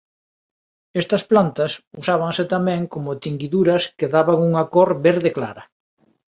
Estas plantas usábanse tamén como tinguiduras que daban unha cor verde clara.